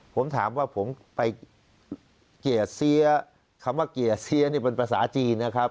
ผมถามว่าผมไปเกลี่ยเสียคำว่าเกลี่ยเสียนี่เป็นภาษาจีนนะครับ